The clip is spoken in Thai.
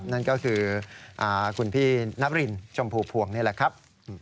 นั่นก็คือคุณพี่นับรินชมพูพวงนี่แหละครับ